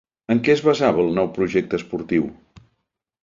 En què es basava el nou projecte esportiu?